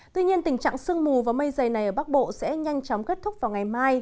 tuy nhiên tình trạng sương mù và mây dày này ở bắc bộ sẽ nhanh chóng kết thúc vào ngày mai